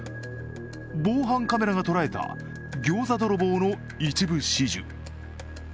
防犯カメラが捉えた餃子泥棒の一部始終